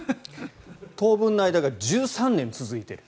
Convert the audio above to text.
当分の間が１３年続いている。